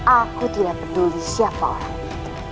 aku tidak peduli siapa orang itu